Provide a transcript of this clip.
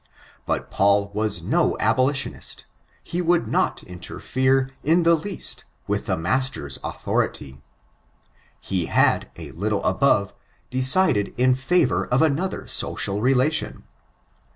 But Paul was no abolitionist: he would not interfere, in the least, with the master's authority. He had, a little above, decided in fevor of another social relation.